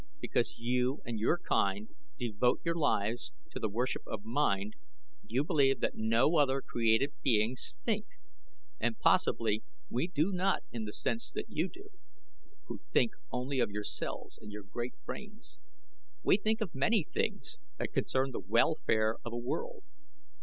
Because you and your kind devote your lives to the worship of mind, you believe that no other created beings think. And possibly we do not in the sense that you do, who think only of yourselves and your great brains. We think of many things that concern the welfare of a world.